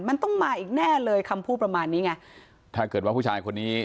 มันต้องมาอีกแน่เลยคำพูดประมาณนี้ไงถ้าเกิดว่าผู้ชายคนนี้